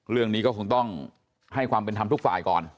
เรื่องนี้ก็คงต้องให้ความเป็นธรรมทุกฝ่ายก่อน